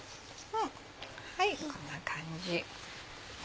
こんな感じ。